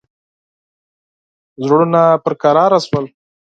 زړونه پر کراره شول.